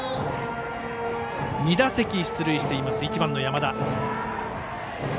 ２打席出塁している１番の山田。